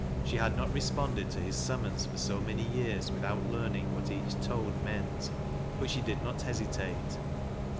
She had not responded .to his summons for so many years without learning what each tone meant. But she did not hesitate.